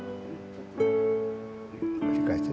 握り返して。